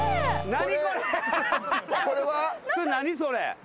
何それ？